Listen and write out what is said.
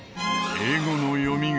英語の読みが。